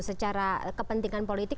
secara kepentingan politik